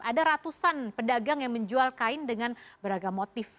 ada ratusan pedagang yang menjual kain dengan beragam motif